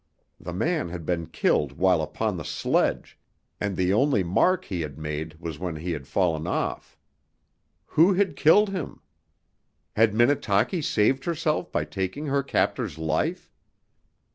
The man had been killed while upon the sledge, and the only mark he had made was when he had fallen off. Who had killed him? Had Minnetaki saved herself by taking her captor's life?